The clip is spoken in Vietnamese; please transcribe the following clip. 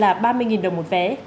là ba mươi đồng một vé